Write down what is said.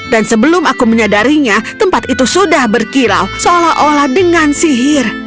dan sebelum aku menyadarinya tempat itu sudah berkilau seolah olah dengan sihir